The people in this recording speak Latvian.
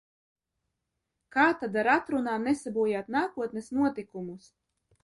Kā tad ar atrunām nesabojāt nākotnes notikumus?